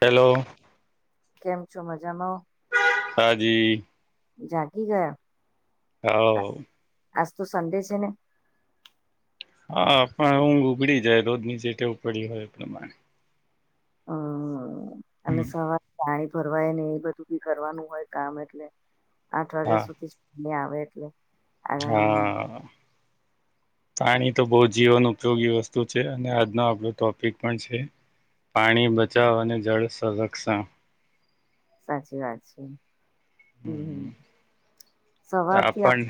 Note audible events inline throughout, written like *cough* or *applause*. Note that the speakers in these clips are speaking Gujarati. હેલો. કેમ છો મજામાં? હા જી. જાગી ગયા. હાવ. આજ તો સન્ડે છે ને હા પણ ઊંઘ ઉગડી જાય રોજ ની જે ટેવ પડી હોય તે પ્રમાણે હા અ અને હમ સવાર થાય ભરવાય ને એ બધું બી કરવાનું હોય કામ એટલે આઠ વાગ્યા હા સુધી જ આવે એટલે આ હા પાણી તો બો જીવન ઉપયોગી વસ્તુ છે અને આજનો આપડો ટોપિક પણ છે. પાણી બચાવ અને જળ સંરક્ષણ. સાચી વાત છે હમમ હમમ. હમ સવારથી આપ આપણ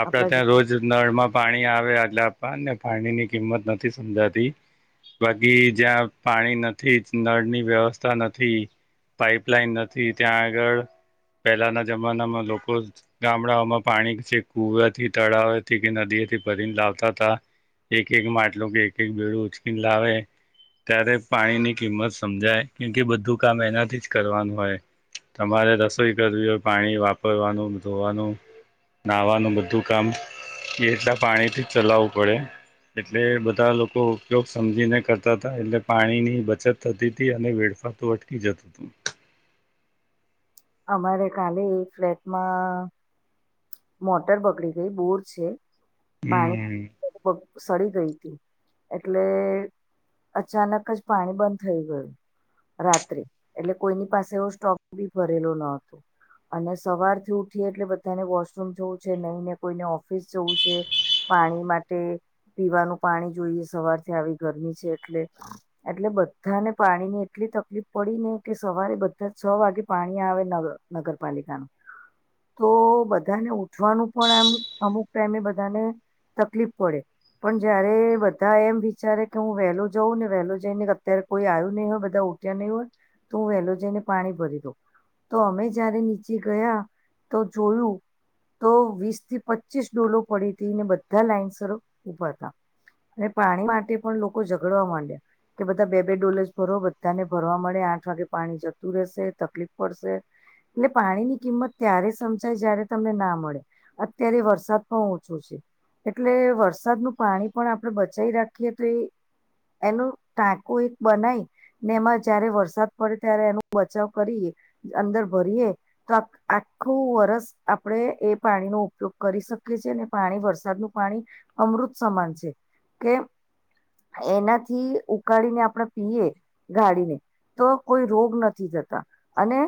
આપડા ત્યાં રોજ નળ માં પાણી આવે આટલા આપવા ને પાણી ની કિંમત નથી સમજાતી. બાકી જ્યાં પાણી નથી નળની વ્યવસ્થા નથી પાઈપલાઈન નથી ત્યાં આગળ પેલાના જમાનામાં લોકો ગામડાઓમાં પાણી છે. કુવે થી તળાવથી કે નદીઓથી ભરીને લાવતા હતા એક એક માં આટલું કે એક એક બેડું ઉચકીને લાવે ત્યારે પાણીની કિંમત સમજાય કેમ કે બધું કામ એનાથી જ કરવાનું હોય તમારે રસોઈ કરવી હોય પાણી વાપરવાનું ધોવાનું નાહવાનું બધું કામ એટલા પાણી થી જ ચલાવવું પડે એટલે બધા લોકો ઉપયોગ સમજીને કરતા હતા એટલે પાણી ની બચત થતી હતી અને વેડ વેટફા તુ અટકી જતું તું અમારે કાલે એક ફ્લેટમાં મોટર બગડી ગઈ બોર છે પાણી હમ હુ સડી ગઈ હતી એટલે અચાનક જ પાણી બંધ થઈ ગયું રાત્રે એટલે કોઈની પાસે એવો સ્ટોક બી ભરેલો ન હતો અને સવારથી ઉઠીએ એટલે બધાને વોશરૂમ જવું છે નહીને કોઈને ઓફિસ જવું છે પાણી માટે પીવાનું પાણી જોઈએ સવારથી આવી ગરમી છે એટલે એટલે બધાને પાણી ની એટલી તકલીફ પડી ને કે સવારે બધા છ વાગે પાણી આવે નગ નગરપાલિકાનું *unintelligible* *inaudible* તો બધાને ઉઠવાનું પણ આમ અમુક ટાઈમે બધાને તકલીફ પડે પણ જયારે બધા એમ વિચારે કે હું વહેલો જાઉં ને વહેલો જઈને અત્યારે કોઈ આવ્યું નહિ હોય બધા ઉઠયા નહી હોય તો હું વહેલો જઈને પાણી ભરી દઉં તો અમે જયારે નીચે ગયા તો જોયું તો વીસ થી પચીસ ડોલો પડી હતી ને બધા લાઇન્સરો ઊભા હતા અને પાણી માટે પણ લોકો ઝઘડવા માંડ્યા કે બધા બે બે ડોલજ ભરો બધાને ભરવા મળે આઠ વાગે પાણી જતું રહેશે તકલીફ પડશે એટલે પાણી ની કિંમત ત્યારે સમજાય જ્યારે તમને ના મળે અત્યારે વરસાદ પણ ઓછો છે એટલે વરસાદનું પાણી પણ આપણે બચાઈ રાખીએ તો એઈ એનું ટાંકું એક બનાય ને એમાં જયારે વરસાદ પડે ત્યારે એનો બચાવ કરીએ અંદર ભરીએ તો આપ આખુ વરસ આપડે એ પાણી નો ઉપયોગ કરી શકીએ છીએ અને ને પાણી વરસાદનું પાણી વૃત સમાન છે કેમ એનાથી ઉકાળીને આપણે પીએ ગાડીને તો કોઈ રોગ નથી જતા અને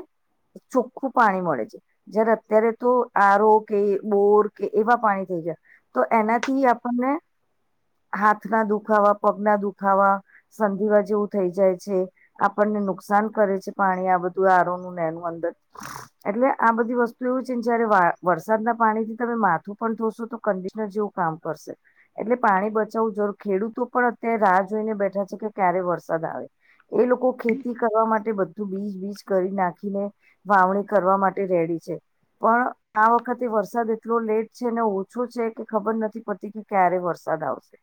ચોખ્ખું પાણી મળે છે જય્યારે અત્યારે તો આરો કે બોર કે એવા પાણી થઈ ગયા તો એનાથી આપણને *unintelligible* હાથ ના દુખાવા પગ ના દુખાવા સંધિવા જેવું થઈ જાય છે આપણને ને નુકસાન કરે છે પાણી આ બધું આરો નું ને એનું અંદર એટલે આ બધી વસ્તુ એવું છે ને જયારે વા વરસાદના પાણી થી તમે માથું પણ ધોશો તો કંડિશનર જેવું કામ કરશે એટલે પાણી બચાવવું જરૂર ખેડૂતો પણ અત્યારે રાહ જોઈને બેઠા છે કે ક્યારે વરસાદ આવે એ લોકો ખેતી કરવા માટે બધું બીજ બીજ કરી નાખીને વાવણી કરવા માટે તે રેડી છે પણ આ વખતે વરસાદ એટલો લેટ છે ને ઓછો છે કે ખબર નથી પટતી કે ક્યારે વરસે વરસદ આવશે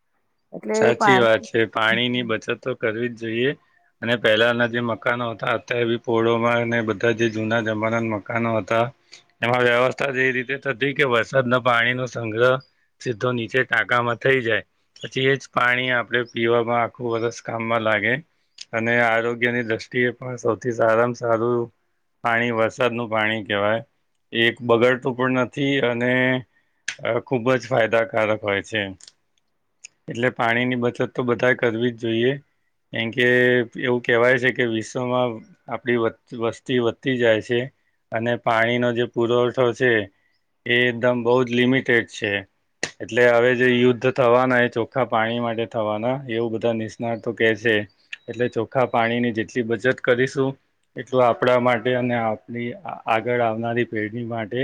એટલે એ સાચી પાણી વાત છે પાણીની બચત તો કરવી જ જોઈએ અને પહેલાના જે મકાનો હતા અત્યારે બી પોળોમાં અને બધા જે જૂના જમાના મકાનો હતા હતા એમાં વ્યવસ્થા એ રીતે થતી કે વરસાદ ના પાણી નો સંગ્રહ સીધો નીચે ટાકામાં થઈ જાય પછી એ જ પાણી આપડે પીવામાં આખું વષૅ કામમાં લાગે અને આરોગ્યની દ્રષ્ટિએ પણ સૌથી સારામાં સારું પાણી વરસાદનું પાણી કહેવાય એક બગાડતું પણ નથી અને અ ખુબ જ ફાયદાકારક હોય છે. એટલે પાણીની બચત તો બધા કરવી જ જોઈએ. કેમ કે એવું કહેવાય છે કે વિશ્વમાં આપડી વસ્તી વધતી જાય છે. અને પાણીનો જે પુરવઠો છે. એ એકદમ બહુ જ લિમિટેડ છે એટલે હવે જે યુદ્ધ થવાના ચોખા પાણી માટે થવાના એવું બધા નિષ્ણાતો કે છે. એટલે ચોખા પાણીની જેટલી બચત કરીશું એટલ આપણા માટે અને આપણી આગળ આવનારી પેઢી માટે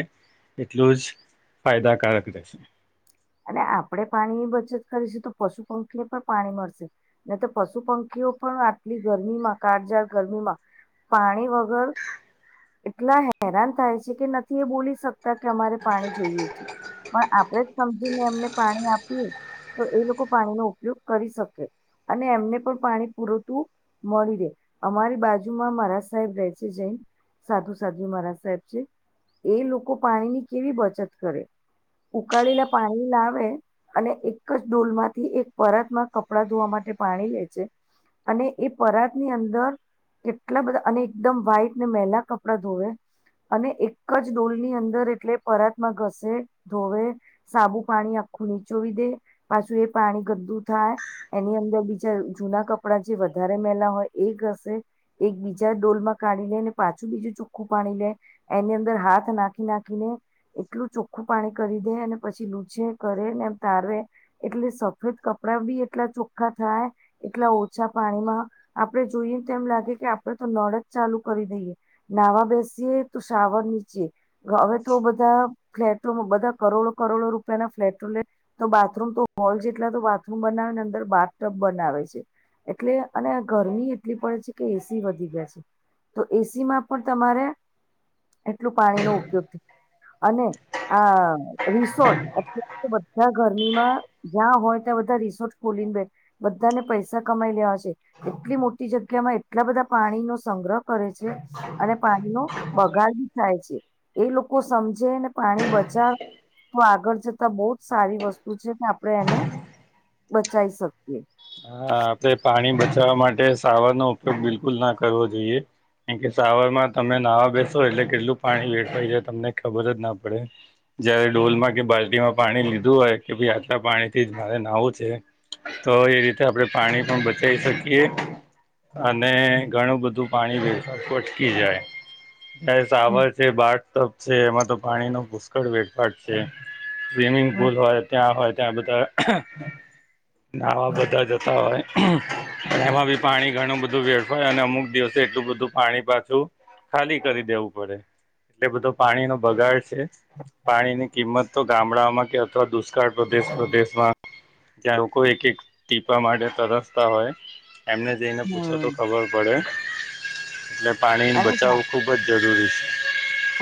એટલું જ ફાયદાકારક રહેશે. અને આપણે પાણીની બચત કરીશ તો પશુ પંખીને પણ પાણી મળશે ન તો પશુ પંખી પણ આટલી ગરમીમાં કાળજાળ ગરમીમાં પાણી વગર એટલા હેરાન થાય છે કે નથી એ બોલી શક કે અમારે પાણી જોઈએ છે પણ આપણેે જ સમજીને એમને પાણી આપીએ *inaudible* તો એ લોકો પાણીનો ઉપયોગ કરી શકે અને એમને પણ પાણી પુરતું મળી રહેે અમારી બાજુમાં મહારાજ સાહેબ રહે છે જૈન સાધુ સાધુ મહારાજ સાહેબ છે. એ લોકો પાણીની કેવી બચત કરે ઉકાળેલા પાણી લાવે અને એક જ ડોલમાંથી એક પરત માં કપડાં ધોવા માટે પાણી લે છે. અને એ પરાત ની અંદર કેટલા બધા અને એકદમ વ્હાઈટ ને મેહેલા કપડાં ધોવે અને એક જ ડોલની અંદર એટલે પરાતમાં ઘસે ધોવે સાબુ પાણી આખું નીચોવી દે પાછું એ પાણી ગદું થાય એની અંદર બીજા જૂના કપડા જે વધારે મેલા હોય એ ઘશે એક બીજા ડોલમાં કાઢી લે ને પાછું બીજું ચુખ્ખું પાણી લે એની અંદર હાથ નાખી નાખી એટલું ચોખ્ખું પાણી કરી દે અને પછી લૂછે કરે ને તારે એટલે સફેદ કપડા બી એટલા ચોખ્ખા થાય. એટલા ઓછા પાણીમાં આપડણે જોઈએ તો એમ લાગે કે આપણેે તો નળ જ ચાલુ કરી દઈએ નાવા બેસીએ તો શાવર નીચે હવે તો બધા ફ્લેટોમાં બધા કરોડો કરોડો રૂપિયા ના ફ્લેટ લે તો બાથરૂમ તો હોલ જેટલા તો બાથરૂમ બનાવે અંદર બાથ ટબ બનાવે છે. એટલે અને ગરમી એટલી પડે છે કે એસી વધી ગયા છે તો એસી માં પણ ત એટલું પાણી નો ઉપયોગ થાય અને આ રિસોર્ટ અત્યારે તો બધા ઘરમમાં જ્યાં હોય ત્યાં બધા રિસોર્ટ ખોલીને બે બધાને પૈસા કમાઈ લેવા છે એટલી મોટી જગ્યા-' એટલા બધા પાણીનોો સંગ્રહ કરે છે અને પાણીનો બગાડ બી થાય છે. એ લોકો સમજે ને પાણી બચાવે તો આગળ જતા બહુ જ સારી વસ્તુ છે આપણે એને બચાઈ શકીએ. હા આપડણે પાણી બચાવવા માટે સાવર નો ઉપયોગ બિલકુલ ના કરવો જોઈએ. કાર કે સાવર માં તમે નહવા બેસો એટલે કેટલું પાણી વેઠવાાય જાય તમને ખબર જ ના પડે જયારે ડઢોલમાં કે બાલ્ટીમાં પાણી લીધું હોય કે ભાઈ આટલા પાણી થી જ મારે નાવું છે તો એ રીતે આપણે પાણી પણ બચી શકીએ અને ઘણું બધું પાણી વેતુ અટકી જાય. એ હમ સાવર છે બાટ ટપ છે એમાં તો પાણીનો પુષ્કળ વેટભાટ છે સ્વિમિંગ હમ પુલ હોય ત્યાં હોય ત્યાં બધા નાવા બધા જતા હોય. એમાં બી પાણી ઘણું બધું વેફાય અને અમુક દિવસે એટલું બધું પાણી પાછું ખાલી કરી દેવું પડે એટલે બધો પાણી નો બગાડ પાણીની કિંમત તો ગામડામાં કે અથવા દુષ્કાળ પ્રદેશ પ્રદેશમાં જ્યાં લોકો એક એક ટીપા માટે તરસતા હોય. એમને જઈને પૂછો તો હમ ખબર પડે એટલે પાણીની બચાવવુ ખૂબ જ જરૂરી *unintelligible*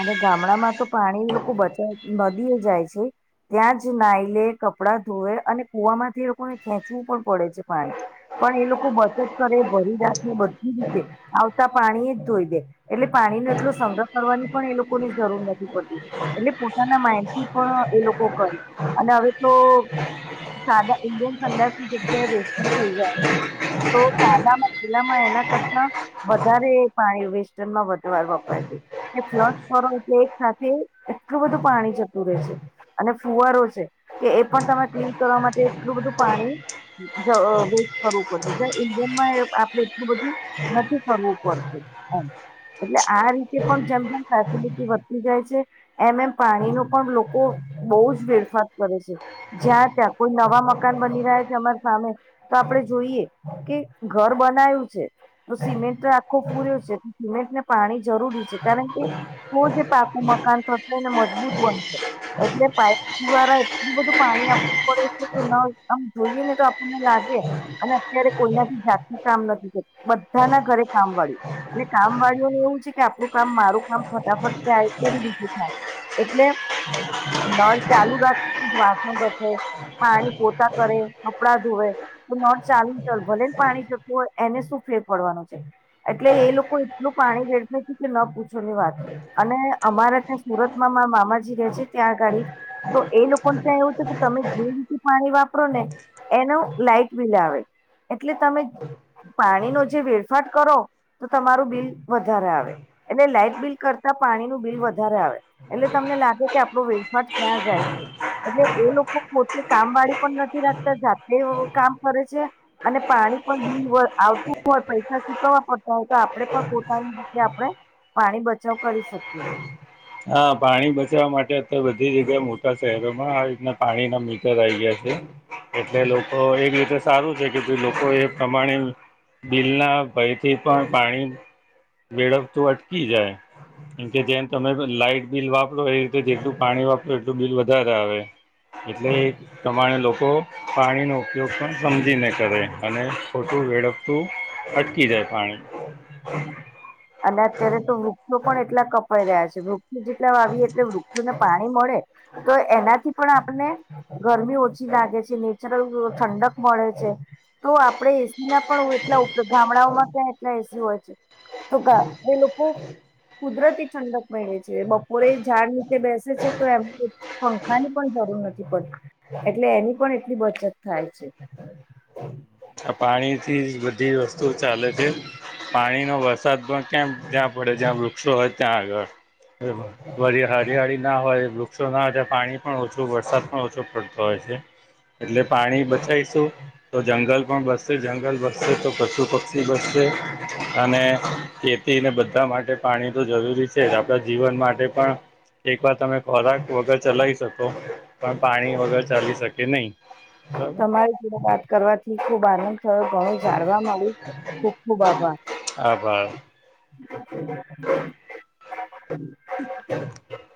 હવે ગામડામાં તો પાણી લોકો બચાવા નદી એ જાય છે. ત્યાં જ નાઈ લે કપડાં ધોવે અને કૂવામાંથી એલોકોને ખેંચવું પણ પડે છે પાણી પણ એ લોકો બચત કરે ભરી રાખેં બધી જ છે આવતા પાણી એ જ ધોઈ દે એટલે પાણી નો એટલો સંગ્રહ કરવાની પણ એ લોકોની જરૂર નથી પડતી એટલે પોતાના માઈન્ડથી પણ એ લોકો કરે અને હવે તો *unintelligible* તો સાદામાં પેલામાં એના કરતા વધારે પાણી વેસ્ટનમાં વધ વપરાય છે. ફ્લસ કરો એટલે એક સાથે એટલું બધું પાણી જતું રહે છે અને ફુવારો છે કે એ પણ તમે ક્લીન કરવા માટે એટલું બધું પાણી વેસ્ટ કરવું પડશે ઇન્ડિયનમાં આપડે એટલું બધું નથી કરવું પડતું હ એટલે આ રીતે પણ જેમ ફેસેલટી વધતી જાય છે એમ એમ પાણીનો પણ લોકો બહુ જ વેરફાાર કરે છે. જ્યાં ત્યાં કોઈ નવા મકાન બની રહ્યા છે અમારી સામે તો આપડે જોઈએ કે ઘર બનાયું છે તો સિમેન્ટ આખો પૂર્યો છે સિમેન્ટને પાણી જરૂરી છે કારણ કે તો જ એ પાકું મકાન થશે એને મજબૂત બનશે. એટલે પાઈપ દ્વારા એટલું બધું પાણી આપવું પડે છે કે આમ જોઈએ ને તો આપણને લાગે અત્યારે કોઈનાથી જાતે કામ નથી થતું બધા ના ઘરે કામ વાડી અને કામ વાડી નું એવું છે કે આપણું કામ મારું કામ ફટાફટ ત્યાં કરી દીધું કામ એટલે નળ ચાલુ રાખી જ વાસણ ઘસે પાણી પોતા કરે કપડા ધોવે તો નળ ચાલુ ચાલ ભલે ને પાણી જતું હોય એને શું ફેર પડવાનું છે. એટલે એ લોકો એટલું પાણી વેડફેસે કે ન પૂછો વાત અને અમારે ત્યાં સુરતમાં મા મામાજી રહે છે ત્યાં આગાડી તો એ લોકો ક્યા એવું છે કે તમે જે રીતે પાણી વાપરો ને એનું લાઈટ બિલ આવે એટલે તમે પાણીનો જે વેડફાટ કરો તો તમારું બિલ વધારે આવે. એટલે લાાઈટ બિલ કરતા પાણી નું બિલ વધારે આવે એટલે તમને લાગે કે આપડો વેડફાટ કયા જાય છે. એટલે એ લોકો ખોટી કામ વાળી પણ નથી રાખતા જાતે કામ કરે છે અને પાણી પણ હોય આવતું હોય પૈસા ચૂકવવા પડતા હોય તો આપડે પણ પોતાની રીતે આપણે પાણી બચાવ કરી શકીએ. હા પાણી બચવા માટે અત્યાર બધી જગ્યાએ મોટા શહેરોમાં આવી રીતના પાણીના મી ટર આય ગયા છે એટલે લોકો એ રીતે સારું છે લોકો એ પ્રમાણે બિલના ભયથી પણ પાણી વેળફતું અટકી જાય કે જેમ તમે લાઈટ બિલ વાપરો એ રીતે જેટલું પાણી વાપરો એટલું બિલ વધારે આવે. એટલે પ્રમાણે લોકો પાણી નો ઉપયોગ પણ સમજીને કરે. અને ખોટું વેળપતું અટકી જાય પાણી અને અત્યારે તો વૃક્ષો પણ એટલા કપાઈ રહ્યા છે વૃક્ષ જેટલા વાવીએ એટલે વૃક્ષોને પાણી મળે તો એનાથી પણ પણ આપને ગરમી ઓછી લાગે છે નેચરલ ઠંડક મળે છે તો આપણેે એસી ના પણ એટલા ગામડાઓમાં ક્યા એટલા એસી હોય છે તો એ ગા લોકો કુદરતી ઠંડક પેહરે છે બપોરે ઝાડ નીચે બેસે છે તો એમ પંખાની પણ જરૂર નથી પડતી એટલે એની પણ એટલી બચત થાય છે. પાણીથી બધી વસ્તુ ચાલે છે પાણીનો વરસાદ પણ કેમ જ્યાં પડે જ્યાં વૃક્ષો હોય ત્યાં આગળ હરિયાળી ના હોય વૃક્ષ સોના *unintelligible* પાણી પણ ઓછું વરસાદ પણ ઓછો પડતો હોય છે. એટલે પાણી બચાઈશું તો જંગલ પણ બચશે જંગલ બસશે તો પશુ પક્ષી બસશે અને ખેતીને બધા માટે પાણી તો જરૂરી છે જ આપણા જીવન માટે પણ એક વાર તમે ખોરાક વગર ચલાવી શકો પણ પાણી વગર ચાલી શકે નહી. તમારી જોડે વાત કરવાથી ખુબ આનંદ ઘણું ઘણું જાણવા મળ્યું ખૂબ ખુબ આભાર. આભાર હ *unintelligible* *inaudible*